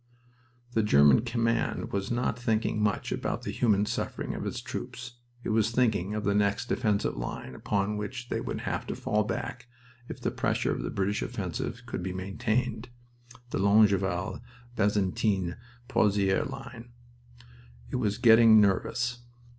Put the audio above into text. The German command was not thinking much about the human suffering of its troops. It was thinking of the next defensive line upon which they would have to fall back if the pressure of the British offensive could be maintained the Longueval Bazentin Pozires line. It was getting nervous.